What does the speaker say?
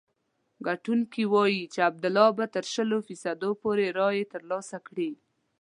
کتونکي وايي چې عبدالله به تر شلو فیصدو پورې رایې ترلاسه کړي.